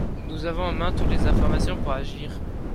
Nous avons en main toutes les informations pour agir.